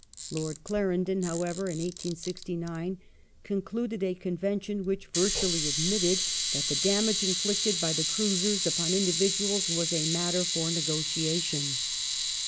Lord Clarendon, however, in 1869, concluded a convention which virtually admitted that the damage inflicted by the cruisei s upon individuals was a matter for negotiation.